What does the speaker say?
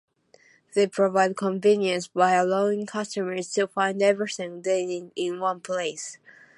They provide convenience by allowing customers to find everything they need in one place.